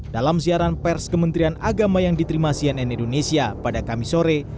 dalam siaran pers kementerian agama yang diterima cnn indonesia pada kamis sore